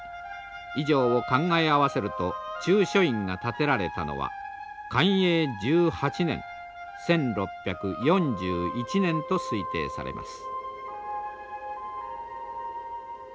以上を考え合わせると中書院が建てられたのは寛永１８年１６４１年と推定されます。